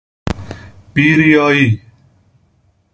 بیریائی